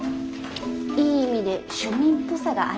いい意味で庶民っぽさがあるというか。